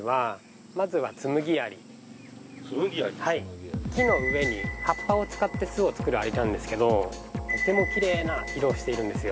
はい木の上に葉っぱを使って巣を作るアリなんですけどとてもきれいな色をしているんですよ